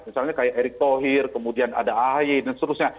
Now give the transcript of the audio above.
misalnya kayak erick thohir kemudian ada ahy dan seterusnya